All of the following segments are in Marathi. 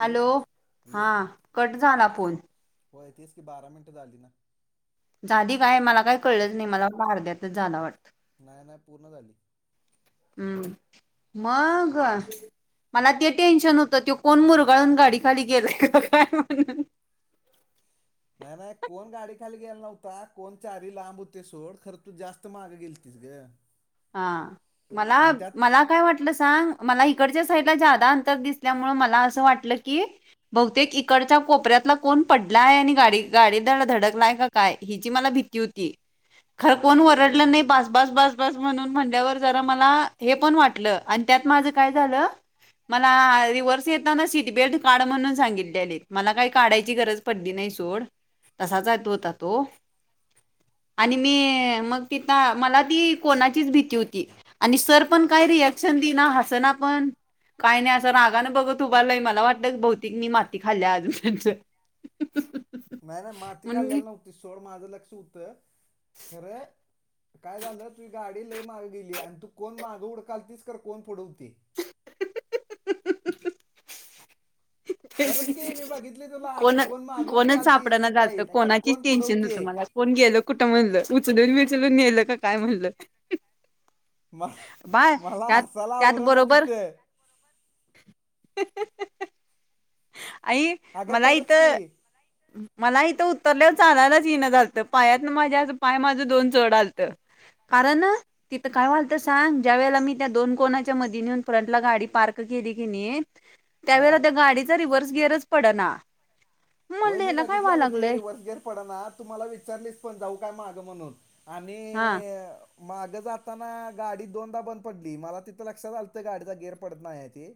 हॅलो हॅलो हा कट झाला फोन होय, तेच की बारा मिनिटं झाली ना? जाधी काय मला काही कळलंच नाही मला अरध्यातच झालं वाटतं नाही नाही पूर्ण झाली. हम मग मला ते टेन्शन होत, त्यो कोण मुरगाळून गाडीखाली गेलाय का काय म्हणून? नाही नाही कोण गाडी खाली गेल नव्हता, कोण चारी लांब होतंय सोड, खर तु जास्त माग गेलतीस ग. हा, मला आणि त्यात मला काय वाट तिला सांग, मला इकडच्या साईडला ज्यादा अंतर दिसल्यामुळ मला अस वाटल की बहुतेक इकडच्या कोपऱ्यातला कोण पडला आहे आणि गाडी गाडी धड धडकलाय का काय हिची मला भीती होती, खर कोण ओरडलं नाही बास बास बस बस म्हणून म्हणल्यावर जरा मला हे पण वाटलं आणि त्यात माझं काय झालं मला रिवर्स येताना सीट बेल्ट काढ म्हणून सांगितलेली, मला काही काढायची गरज पडदी नाही सोड तसाच तो होता तो आणि मी मग तिथं मला ती कोणाचीच भीती होती आणि सर पण काय रिॲक्शन देइना हासना पण. काही नाही असं रागान बघत [unintelligible] मला वाटत भौतिकनी माती खाल्ल्या [inaudible] [inaudible] नाही नाही माती म्हणून मी खाल्लेली नव्हती सोड माझं लक्ष होतं खरं काय झालं तुझ गाडी लई माग गेलीया आणि तू कोण मागं उडकाल तीच कर कोण फोडवती खरंच की मी [unintelligible] बघितली तुला तू कोण माग कोणच उडकालतीस सापडना कुठं झालत, आहे खरं कोणाचीच कोण टेन्शन होत पुढवते मला. कोण गेल कुठं म्हणलं उचलून विचलून नेल का काय म्हणलं मला बाय मला त्यात हसायला त्यात आवरणा बरोबर तिथे [unintelligible] आई अगं मला खरंच की इथं मला इथं उतरल्यावर चालायलाच येईना झालंत, पायात ना माझ्या अस पाय माझ दोन चड आलंत. कारण तिथ काय व्हालत सांग? ज्या वेळेला मी त्या दोन कोणाच्या मधी नेऊन फ्रंटला गाडी पार्क केली की न्ही. हा त्यावेळा त्या गाडीचा रिवर्स गियर च पड ना होय मी बघितले आलं ते रिव्हर्सगेर पड ना तू मला विचारलीस पण जाऊ काय मागं म्हणून आणि हा मागं जाताना गाडी दोनदा बंद पडली मला तिथं लक्षात आलंतं गाडीचा गिअर पडत नाही आहे ते.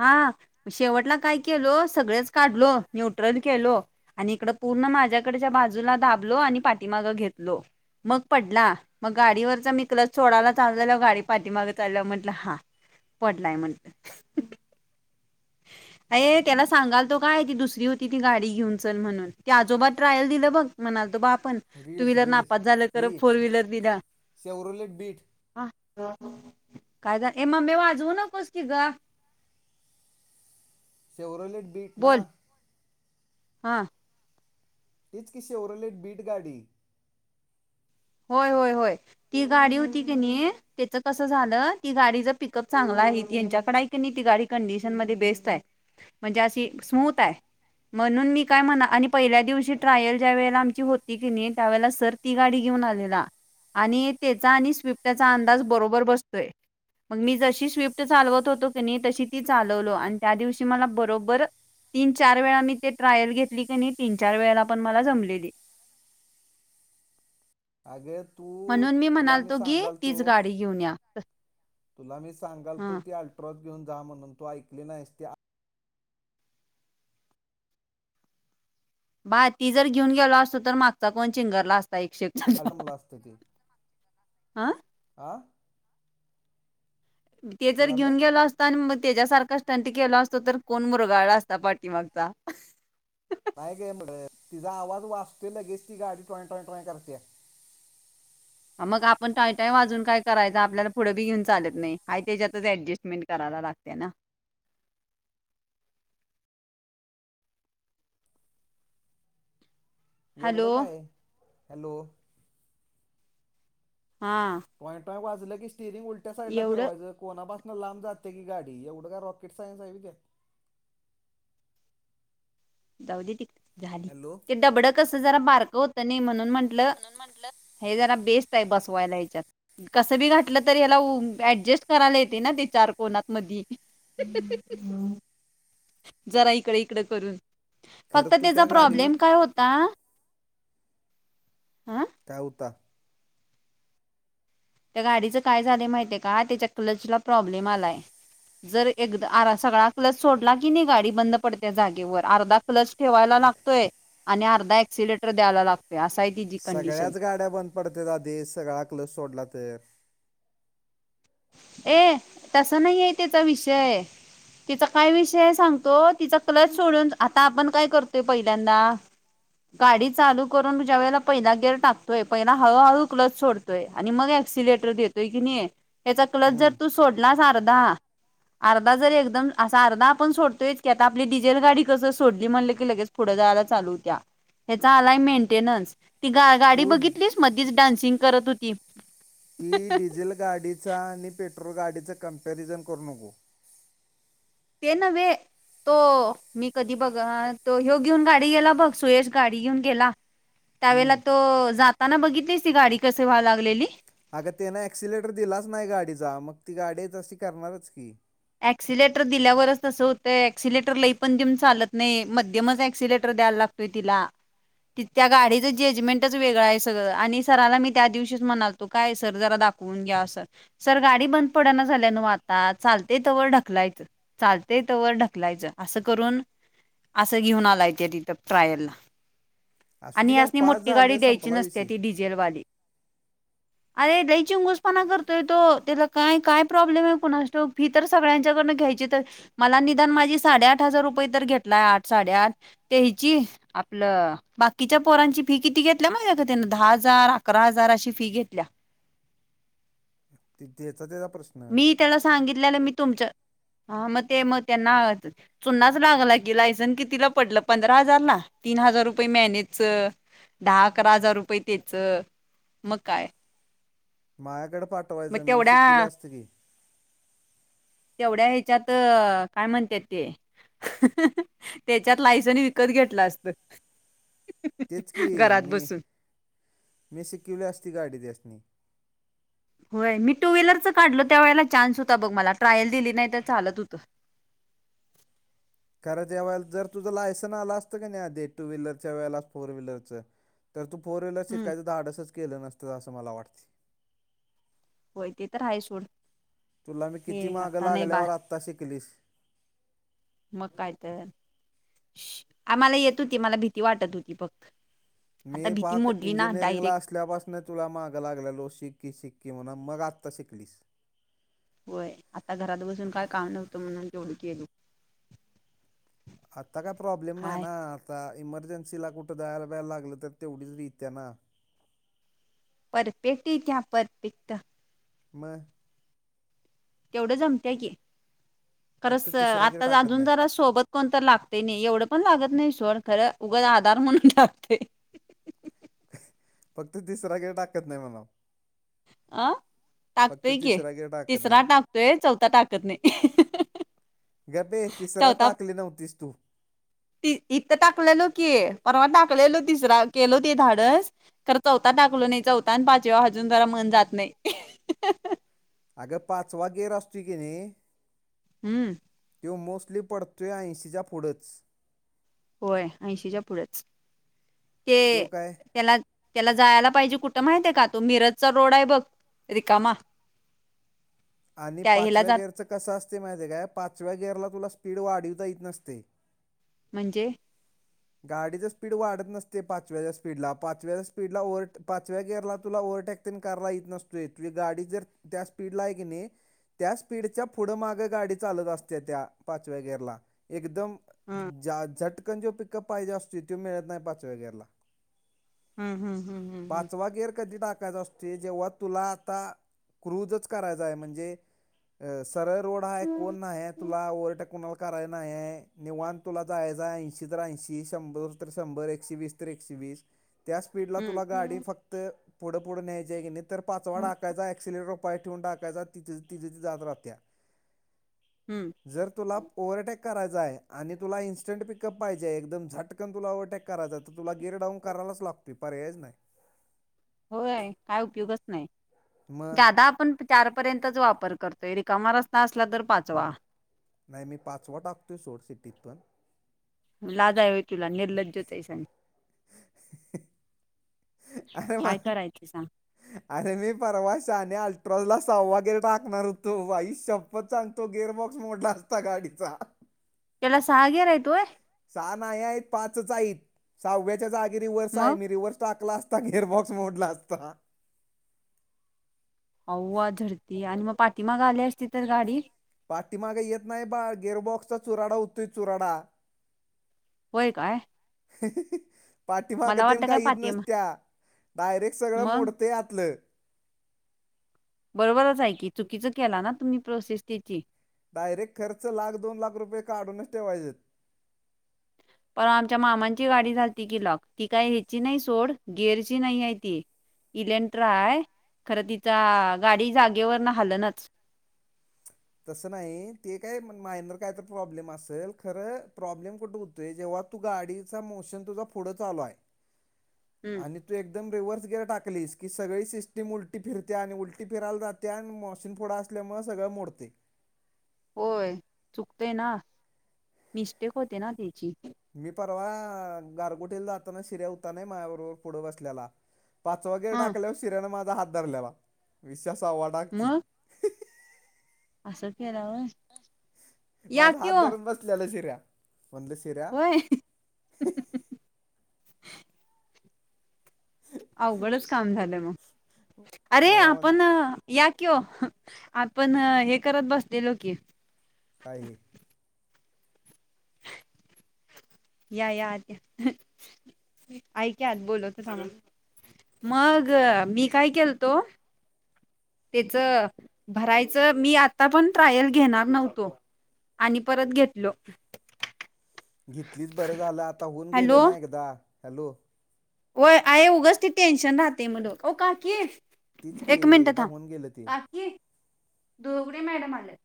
हा शेवटला काय केलो सगळेच काढलो न्यूट्रल केलो आणि इकड पूर्ण माझ्याकडच्या बाजूला दाबलो आणि पाठीमाग घेतलो मग पडला मग गाडीवरच मी क्लज सोडयला चालल्यालो गाडी पाठी मागत चाल्या म्हटलं हा. पडलाय म्ह ह अ त्याला सांगाल तो काय ती दुसरी होती ती गाडी घेऊन चल म्हणून ते आजोबा ट्रायल दिलं बघ म्हणाल तो बा आपण टू रीड्स व्हीलर रीड्स नापास झालं खर ही फोर व्हीलर दिला शेवरोलेट बीट ह कायदा एमा मे वाजवू नकोस की ग. सेवरोलेट बीट ना बोल हा हीचकी शे उरलेट बीट गाडी होय होय होय ती गाडी होती क नाही त्याच कसं झालं ती गाडीच पिकअप चांगलं आहे त्यांच्याकडे आहे की नाही ती गाडी कंडिशन मध्ये बेस्ट आहे. म्हणजे अशी समूथ हाय. म्हणून मी काय म्हणा आणि पहिल्या दिवशी ट्रायल ज्या वेळेला आमची होती की नाही त्यावेळेला सर ती गाडी घेऊन आलेला आणि त्याचा आणि स्विफ्टचा अंदाज बरोबर बसतोय मग मी जशी स्विफ्ट चालवत होतो की नाही तशी ती चालवलो आणि त्या दिवशी मला बरोबर तीन चार वेळा मी ते ट्रायल घेतली की नाही तीन चार वेळेला पण मला जमलेली. आगे तू. म्हणून मी तुला म्हणालतो की सांगालतो तीच गाडी घेऊन या. तुला मी सांगाल तू हा ती अल्ट्रो घेऊन जा म्हणून तू ऐकली नाहीस त. बाय ती जर घेऊन गेला असतो तर मागचा कोण चिंगरला असता एकशे आटमला असत ते हा आ. ते जर झालं घेऊन गेला अस. आणि त्याच्यासारखा स्टंट केला असतो तर कोण मुरगा असतता पाठीमागचा काय गे मर तिजा आवाज वाचतोय लगेच ती गाडी टोय टॉय टोय करत्या. मग आपण टाय टाय वाजून काय करायच आपल्याला पुढे बी घेऊन चालत नाही हाय त्याच्यातच अडजस्टमेट करायला लाग. गते ना एवढं हॅलो काय हॅलो. हा पॉईंट वाजलं की स्टिरिंग उलट साड ला एवढं फिरवायचं. कोणापासूनं लांब जाते की गाडी एवढं काय रॉकेट सायन्स हाय हुई त्यात. जा झाली हॅलो ते डबडं कस जरा बारक होत नाही म्हणून म्हंटलं. हे जरा बेस्ट आहे बसवायला याच्यात. कसं बी घातलं तर याला ऍडजस्ट करायला येते ना ते चार कोणात मधी. जरा इकडे इकडं करून खरं फक्त तू त्याचा त्या गाडीवर प्रॉब्लेम काय होता हं. त्या उता त्या गाडीचं काय झालं माहितीय का त्याच्या कलचला प्रॉब्लेम आलाय. जर एकदा आरा सगळा क लस सोडला की नाही गाडी बंद पडते्या जागेवर अर्धा प्लस ठेवायला अग, लागतोय आणि अर्धा एक्सिलेटर द्यायला लागतोय. असा आहे तिची कंडिशन. सगळ्याच गाड्या बंद पडत राधे सगळा कलस सोडला तर ए तसं नाही आहे तेचा विषय तिचा काय विषय सांगतो तिचा क्लच सोडून आता आपण काय करतोय पहिल्यांदा. गाडी चालू करून तुझ्या वेळेला पहिला गेर टाकतोय पहिला हळूहळू क्लस सोडत. य आणि मग क्सिलेटर देतोय की नाही याचा क्लच जर हम्म तू सोडलास अर्धा अर्धा जरी एकदम असा अर्धा आपण सोडतोय की आता आपली डिझेल गाडी कसं सोडली म्हणलं की लगेच. पुढं जायला चालू होत्या ह्याचा आलाय मेंटेनन्स ती गा गाडी तू बघितलीस मध्येीच डान्सिंग करत होती. की डिझेल गाडीचा आणि पेट्रोल गाडीचा कम्पॅरिझन करू नको. येनवे. तो मी कधी बघ तो ह्यो घेऊन गाडी गेला बघ सुयश गाडी घेऊन गेला. त्यावेला हम्म तो जाताना बघितलीस ती गाडी कस व्हाला लागलेली. अगं त्यानं ऍक्सिलेटर दिलाच नाही गाडीचा मग ती गाडीच अशी करणारच की. ऍक्सिलेटर दिल्यावरच तसं होतं ऍक्सिलेटर लई पण देऊन चालत नाही मध्यमच ऍक्सिलेटर द्यायला लागत. टतीला त्या गाडीचं जजमेंटच वेगळं आहे सगळं आणि सराला मी त्या दिवशीच म्हणाल. तू काय सर जरा दाखवून घ्या सर गाडी बंद पड झाल्या न आता चाल. ते तवर ढकलायचं चालते तवर ढकलायचं असं करून. असं घेऊन आलाये तिथं ट्रायल ला असू दे आणि की आता यांसणी पास मोठी गाडी झालं द्यायची संपला नसते विषय ती डिझेलवाली. अरे दहीचीिंगसपणा करतोय तो त्याला काय काय प्रॉब्लेम आहे कोुणा तो फी तर सगळ्यांच्याकडनं घ्यायची तर मला निदान माझी साडेआठ हजार रुपये तर घेतलाय आठ साडेआठ. ते हची आपलं. बाकीच्या पोरांची फी किती घेतल्या माहित्या का त्यान दहा हजार अकरा हजार अशी फी घेतल्या देचा तेचा त्याचा प्रश्न. मी त्याला सांगितलेलं मी तुमच हा मग ते मग त्यांना आ चुनाच लागला की लायसन कितीला पडलं पंधरा हजार ला तीन हजार रुपये मॅनेजच दहा अकरा हजार रुपये तेच, मग काय. मायाकडे मग पाठवायचं मी तेवढ्या शिकिवलं असतं की. तेवढ्या ह्याच्यात काय म्हणत्यात ते. त्याच्यात लायसनी विकत घेतलं असत. तेच की घरात मी, बसून मी शिकवली असती गाडी त्यासनी होय मी टू व्हीलरच काढलं त्या वेळेला चान्स होता बघ मला ट्रायल दिली नाही तर चालत हुतं. खर ज्या वेळेला जर तुझं लायसनस आला असतं कनी आधी टू व्हीलरच्या वेळेला फोर व्हीलरचं खरं तू फोर व्हीलर हम्म शिकायचं धाडसच केलं नसतं असं मला वाटतंय होय ते तर हाय सोड. तुला मी हे किती मागं आता नाही बा लागल्यावर आत्ता शिकलीस. मग काय तर. आम्हाला येत होती मला भीती वाटत होती फक्त आता मी भीती पाक मोडली ना इंजिनिअरिंगला डायरेक्ट असल्यापासून मीन तुला मागं लागलेलो शिक्की शिक्की म्हणा मग आत्ता शिकलीस होय आता घरात बसून काय काम नव्हतं म्हणून तेवढ केलो आत्ता काय प्रॉब्लेम नाही हाय ना आता इमर्जन्सीला कुठं जायला ब्यायला लागलं तर तेवढीच येतीया ना. परफेक्ट येतीया परफेक्ट म. तेवढं जमत्या की फक्त खरंच तिसरा गिर आता टाकत अजून नाही जरा सोबत कोण तर लागते नाही एवढं पण लागत नाही सोड खरं उगच आधार म्हणून लागतंय फक्त तिसरा गेर टाकत नाही म्हणावं. अ फक्त टाकतोय की तिसरा गिर टाकत तिसरा नाही टाकतोय चौथा टाकत नाही गप्प ए तिसरा टाकली नव्हतीस तू ती इथं टाकलेलो की परवा टाकलेलो तिसरा केलो ते धाडंस खर चौथा टाकलो नाही चौथा आणि पाचव्यावर अजून जरा मन जात नाही अगं पाचवा गेर असतोय की नाही, हम्म त्यो मोस्टली पडतोय ऐंशीच्या पुुढंच. होय ऐंशीच्या पुढच ते तो काय त्याला त्याला जायाला पाहिजे कुठं माहिते का, तो मिरजचा रोड आहे बघ रिकामा. आणि त्या ह्याला पाचव्या जात गेरचं कसं असतंय माहिते काय पाचव्या गिअरला तुला स्पीड वाढिवता ईत नसतंय म्हणजे. गाडीच स्पीड वाढत नसतंय पाचव्याच्या स्पीडला पाचव्याच्या स्पीडला ओ्ह पाचव्या गेरला तुला ओव्हरटेक कारला इत नसतोय ती गाडी जर त्या स्पीड ला आहे की नाही. त्या स्पीडच्या पुढं मागं गाडी चालत असते, त्या पाचव्या गेरला एकदम ह झटकन जो पिकअप पाहिजे असतोय तो मिळत नाही पाचव्या गेरला हम्म हम्म हम्म हम्म पाचवा गेर कधी टाकायचा अस ते जेव्हा तुला आता रोजच करायचा आहे म्हणजे सरळ रोड आहे कोण नाही आहे तुला ओव्हरटेक कुणाला कराय नाही हाय निवांत तुला जायाचाय ऐंशी ऐंशी शंभर शंभर एकशे वीस तर एकशे वीस त्या स्पीडला हम्म तुला हम्म गाडी फक्त पुढं पुढ न्यायच हाय कनी तर पाचवा हम्म टाकायचा अक्सल्टरवर फक्त पाय ठेवून टाकायचा तिजच - तिज ती जात राहत्या. हम्म जर तुला ओव्हरटेक करायचा हाय आणि तुला इन्स्टंट पिकअप पाहिजे हाय एकदम झटकन तुला ओव्हरटेक करायच हाय तर तुला गेयर डाउन करायलाचं लागतोय पर्यायच नाही. होय काय उपयोगच नाही मग जादा आपण चारपर्यंतच वापर करतोय रिकामा रस्ना असला तर पाचवा नाही मी पाचवा टाकतोय सोड सिटीत पण लाजा हो तुला निर्लज अरे मा कााय का राहायचं सां अरे मी परवाश आणि अल्ट्रोजला सव वगैरे टाकणार होतो वाईष्य चांग तो गिअर बॉक्स मोटला असता गाडीचा केला सहाग्या रा आहे तोय सहा नाही आहेत पाच आहेत सहाव्याच्या जा आगी रिव्हर्स आहे मग मी रिव्हर्स टाकला असत गेअरबॉक्स मोडला असता हो आ झरती आणि मग पाठीमाग आली असती तर गाडी पाटठी मागे येत नाही बा गिअरबॉक्सचा चुराडा उत्तरी चुराडा होय काय मला पाठीमागते वाटतं काय काहीच पाठी नसत्या डायरेक्ट सगळं मग मोडत ते जातलं बरोबरच ऐ की चुकीचं केला ना तुम्ही प्रोसेस त्याची डायरेक्ट खर्च लाख दोन लाख रुपये काढूनच ठेवायचेेत परण आमच्या मामांची गाडी झालती की लॉक ती काय ह्याची नाही सोड गेअरची नाही आहे ती इलेंट्रा आहे खरं तिचा गाडी जागेवर न हल नाच. तसं नाही ते काय मायनर काय तर प्रॉब्लेम असेल खरं प्रॉब्लेम कुठं त जेव्हा तू गाडीचचा मोशन तुझा पुढं चालू आहे. [unintelligible] आणि तू एकदम रिव्हर्स गिअर टाकलीस की सगळी सिस्टीम उलटी फिरते आणि उलटी फिरायला जात. त्यान मशीन पुोढं असल्यामुळे सगळं मोडते. होय चुकतेय ना मिस्टेक होते ना त्याची मी परवा गारगुटीला जाताना शिऱ्या उता नाही माझ्याबरोबर पुढं बसल्याला पाचवा गेर हा टाकल्यावर शिऱ्याने माझा हात धरल्याला वीसशे सव्वा टाकची मग असं फरावर माझा हात धरून बसलेला शिऱ्या म्हंद शिऱ्या का अवघडच काम झालं मग अरे मला म्हण आपण या कि आपण हे करत बसलेलो की काही या याद ऐक्यात बोलवत सांग मग मी काय केलतो त्याच भरायचं मी आता पण ट्रायल घेणार नव्हतो आणि परत घेतलो घेतलीच बरं झालं आता होऊन गेलं ना एकदा हॅलो हो आहे उगच ती टेन्शन राहते मुलं हो काकी तीच की एक मिनट एकदा थ होऊन गेलं ते काकी दोघढ मॅडम आले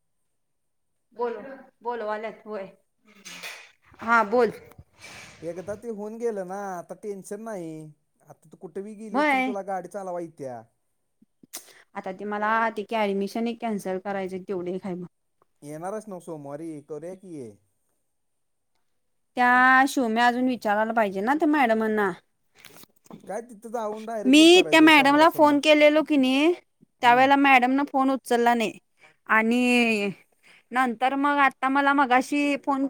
बोल बोल वाल्यातय हा बोल एकदा ते होऊन गेलं ना आता टेन्शन नाही. आता तू कुठे बी गेलीस तरी होय तुला गाडी चालवा येत्या आता ते मला ते की ऍडमिशन एक कॅन्सल करायच तेवढे काय ब एन आर एस नवसो म कौर्या कीए त्या शो म अजून विचारायला पाहिजे ना ते मॅडमांना काय तिथं जाऊन डायरेक्ट मी त्या विचारायचं मॅडमला फोन समोरासमोर केलेलो की नाही. हम्म त्यावेळेला मॅडम न फोन हो चलला नाही आणि नंतर मग आता मला मगाशी फोन